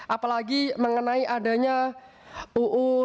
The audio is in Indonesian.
apalagi mengenai adanya uu nomor dua